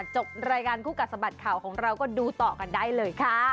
จบรายการคู่กัดสะบัดข่าวของเราก็ดูต่อกันได้เลยค่ะ